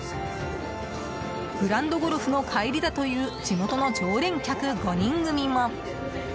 グランドゴルフの帰りだという地元の常連客５人組も。